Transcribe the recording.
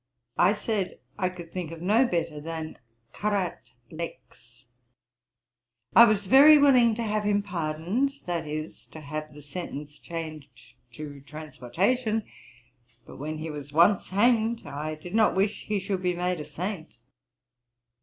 I said, I could think of no better than Currat Lex. I was very willing to have him pardoned, that is, to have the sentence changed to transportation: but, when he was once hanged, I did not wish he should be made a saint.'